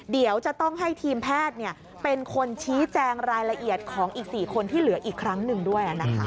เดี๋ยวจะต้องให้ทีมแพทย์เป็นคนชี้แจงรายละเอียดของอีก๔คนที่เหลืออีกครั้งหนึ่งด้วย